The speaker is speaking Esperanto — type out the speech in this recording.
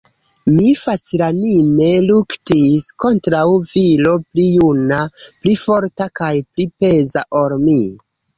Mi facilanime luktis kontraŭ viro pli juna, pli forta kaj pli peza ol mi.